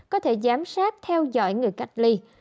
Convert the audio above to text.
có thể giám sát theo dõi người cách ly